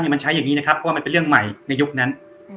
มันใช้อย่างนี้นะครับเพราะว่ามันเป็นเรื่องใหม่ในยุคนั้น